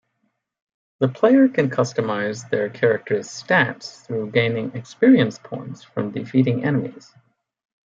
The player can customize their character's stats through gaining experience points from defeating enemies.